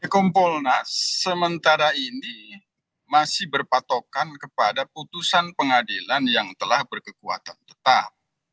kompolnas sementara ini masih berpatokan kepada putusan pengadilan yang telah berkekuatan tetap